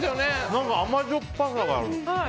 何か甘じょっぱさがある。